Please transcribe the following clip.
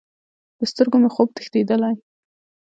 له سترګو مې خوب تښتیدلی